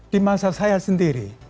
di masa saya sendiri